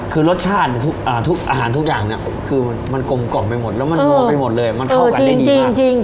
คือรสชาติอาหารทุกอย่างเนี่ยคือมันกลมกล่อมไปหมดแล้วมันนัวไปหมดเลยมันเข้ากันได้ดีมาก